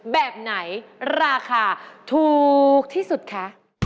แบบไหนราคาถูกที่สุดคะ